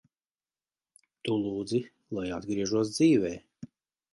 Tu lūdzi, lai atgriežos dzīvē.